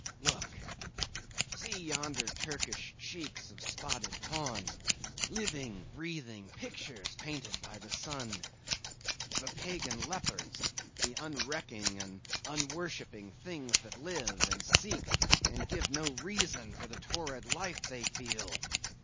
Look! see yonder Turkish cheeks of spotted tawn—living, breathing pictures painted by the sun. The Pagan leopards—the unrecking and unworshipping things, that live; and seek, and give no reasons for the torrid life they feel!